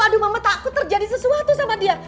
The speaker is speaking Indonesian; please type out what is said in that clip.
aduh mama takut terjadi sesuatu sama dia